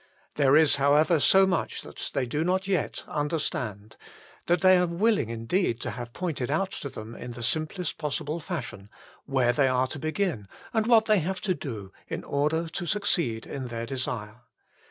There is, however, so much that they do not as yet understand, that they are willing indeed to have pointed out to them in the simplest possible fashion, where they are to begin, and what they have to do, in order to succeed in their desire.